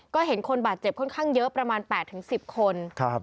ก็เห็นคนบาดเจ็บค่อนข้างเยอะประมาณ๘๑๐คน